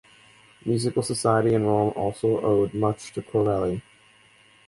Musical society in Rome also owed much to Corelli.